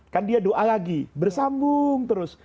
kan dia doa lagi bersambung terus